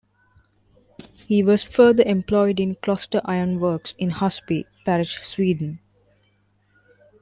He was further employed in Kloster Iron works in Husby parish, Sweden.